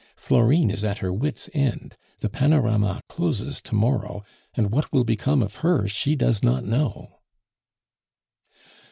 Florine is at her wits' end; the Panorama closes to morrow, and what will become of her she does not know."